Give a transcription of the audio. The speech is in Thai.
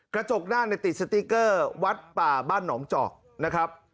กระจกหน้าติดสติ๊กเกอร์วัดป่าบ้านหนองจอกนะครับ